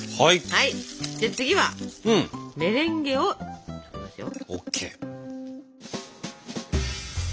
はい次はメレンゲを作りますよ。